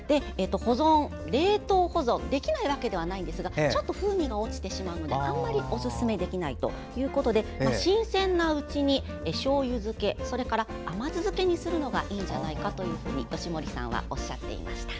冷凍保存はできないわけではないですがちょっと風味が落ちてしまうのでおすすめできないということで新鮮なうちに、しょうゆ漬け甘酢漬けにするのがいいのではと吉守さんはおっしゃっていました。